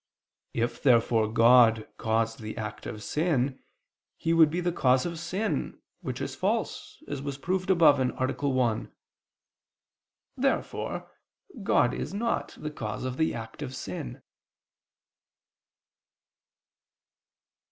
If therefore God caused the act of sin, He would be the cause of sin, which is false, as was proved above (A. 1). Therefore God is not the cause of the act of sin.